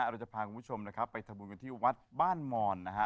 เราจะพาคุณผู้ชมนะครับไปทำบุญกันที่วัดบ้านมอนนะฮะ